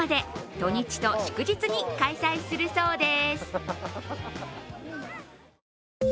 土日と祝日に開催するそうです。